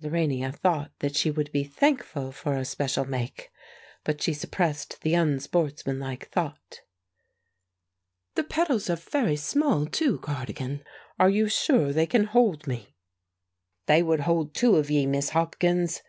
Lorania thought that she would be thankful for a special make, but she suppressed the unsportsmanlike thought. "The pedals are very small too, Cardigan. Are you sure they can hold me?" "They would hold two of ye, Miss Hopkins.